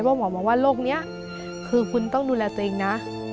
หมอบอกว่าโรคนี้คือคุณต้องดูแลตัวเองนะ